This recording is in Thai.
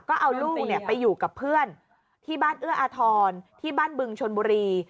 ก็เอาลูกไปอยู่กับเพื่อนที่บ้านเอื้ออาทรที่บ้านบึงชนบุรี